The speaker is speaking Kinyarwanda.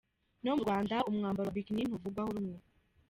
No mu Rwanda umwabaro wa “Bikini” ntuvugwaho rumwe.